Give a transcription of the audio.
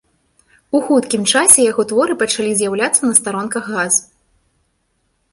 У хуткім часе яго творы пачалі з'яўляцца на старонках газ.